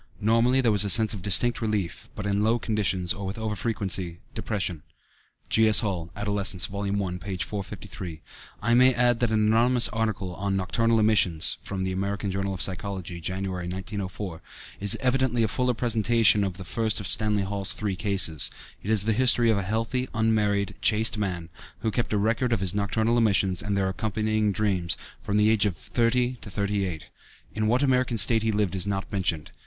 Normally there was a sense of distinct relief, but in low conditions, or with over frequency, depression. (G.S. Hall, Adolescence, vol. i, p. 453.) I may add that an anonymous article on "Nocturnal Emissions" (American Journal of Psychology, Jan., 1904) is evidently a fuller presentation of the first of Stanley Hall's three cases. It is the history of a healthy, unmarried, chaste man, who kept a record of his nocturnal emissions (and their accompanying dreams) from the age of thirty to thirty eight. In what American State he lived is not mentioned.